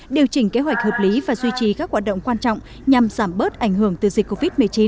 điều chỉnh kế hoạch hợp lý và duy trì các hoạt động quan trọng nhằm giảm bớt ảnh hưởng từ dịch covid một mươi chín